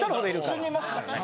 普通にいますからね。